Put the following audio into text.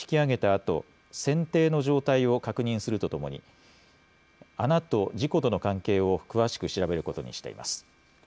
あと船底の状態を確認するとともに穴と事故との関係を詳しく調べることにしています。